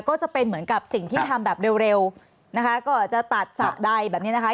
ก็จะเป็นเหมือนกับสิ่งที่ทำแบบเร็วนะคะก็จะตัดสระใดแบบนี้นะคะ